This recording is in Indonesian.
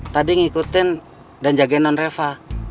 tadi ngikutin dan jagain non reva